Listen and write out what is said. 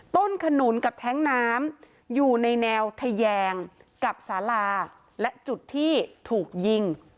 ขนุนกับแท้งน้ำอยู่ในแนวทะแยงกับสาราและจุดที่ถูกยิง